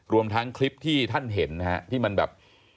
รวมทั้งคลิปที่ท่านเห็นนะฮะที่มันแบบ